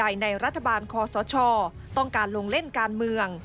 ยาท้าน